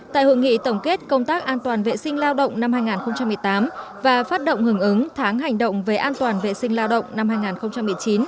tại hội nghị tổng kết công tác an toàn vệ sinh lao động năm hai nghìn một mươi tám và phát động hưởng ứng tháng hành động về an toàn vệ sinh lao động năm hai nghìn một mươi chín